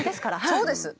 そうです！